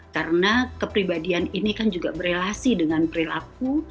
karena kepribadian ini kan juga berrelasi dengan perilaku